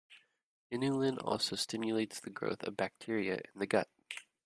Inulin also stimulates the growth of bacteria in the gut.